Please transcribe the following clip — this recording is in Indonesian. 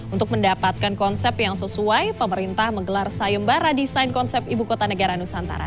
untuk mendapatkan konsep yang sesuai pemerintah menggelar sayembara desain konsep ibu kota negara nusantara